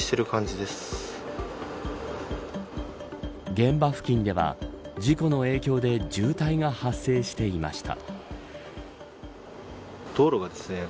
現場付近では事故の影響で渋滞が発生していました。